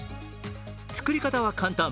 作り方は簡単。